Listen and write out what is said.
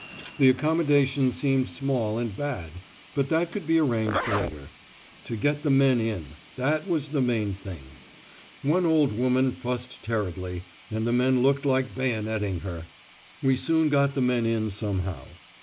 The accommodation seemed small and bad, but that could be arranged later. To get the men in, that was the main thing. One old woman fussed terribly, and the men looked like bayoneting her! We soon got the men in somehow.